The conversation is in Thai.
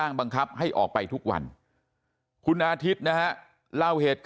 พวกมันกลับมาเมื่อเวลาที่สุดพวกมันกลับมาเมื่อเวลาที่สุด